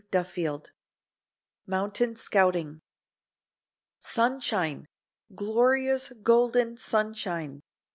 CHAPTER XV MOUNTAIN SCOUTING Sunshine! glorious, golden sunshine!